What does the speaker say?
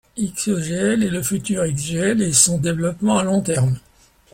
Xegl est le futur de Xgl et son développement à long terme.